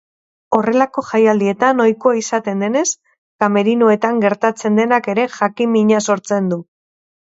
Horrelako jaialdietan ohikoa izaten denez, kamerinoetan gertatzen denak ere jakimnina sortzen du.